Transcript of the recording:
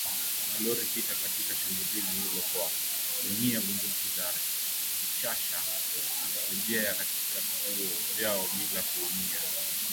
malori sita katika shambulizi hilo kwa kutumia bunduki za rashasha na kurejea katika vituo vyao bila kuumia